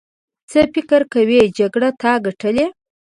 څه فکر کوې جګړه تا ګټلې.